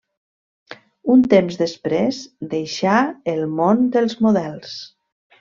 Un temps després deixà el món dels models.